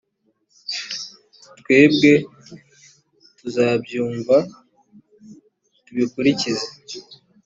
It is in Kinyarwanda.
twebwe tuzabyumva, tubikurikize.»